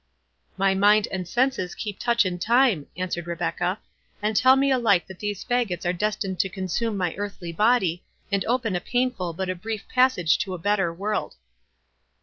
"My mind and senses keep touch and time," answered Rebecca, "and tell me alike that these faggots are destined to consume my earthly body, and open a painful but a brief passage to a better world."